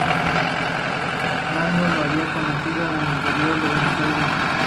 Donoso la había conocido el año anterior en Buenos Aires.